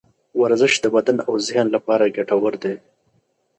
ورزش د بدن او ذهن لپاره ګټور دی.